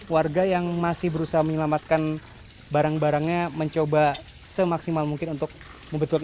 warga yang masih berusaha menyelamatkan barang barangnya mencoba semaksimal mungkin untuk membetur